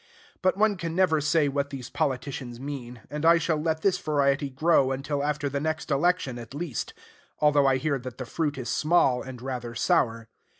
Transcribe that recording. But one can never say what these politicians mean; and I shall let this variety grow until after the next election, at least; although I hear that the fruit is small, and rather sour.